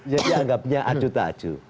jadi anggapnya adu taju